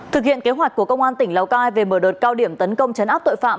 thực hiện kế hoạch của công an tỉnh lào cai về mở đợt cao điểm tấn công chấn áp tội phạm